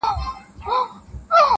د هوا له لاري صحنه ثبتېږي او نړۍ ته ځي,